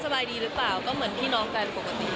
สบายดีหรือเปล่าก็เหมือนพี่น้องกันปกติ